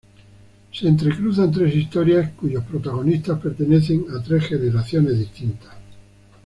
Se entrecruzan tres historias, cuyos protagonistas pertenecen a tres generaciones distintas.